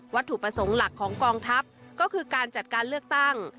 ถูกประสงค์หลักของกองทัพก็คือการจัดการเลือกตั้ง